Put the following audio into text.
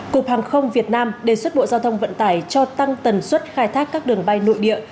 cục hàng không việt nam đề xuất bộ giao thông vận tải cho tăng tần suất khai thác các đường bay nội địa